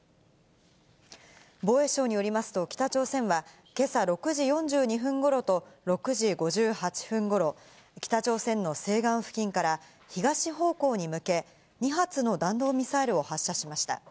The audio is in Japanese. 防衛省によりますと、北朝鮮はけさ６時４２分ごろと６時５８分ごろ、北朝鮮の西岸付近から、東方向に向け、２発の弾道ミサイルを発射しました。